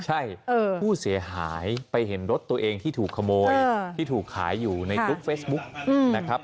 ใช่ผู้เสียหายไปเห็นรถตัวเองที่ถูกขโมยที่ถูกขายอยู่ในกรุ๊ปเฟซบุ๊กนะครับ